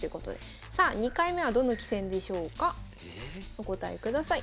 お答えください。